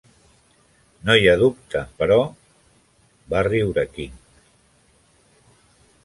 "No hi ha dubte, però ..." va riure King.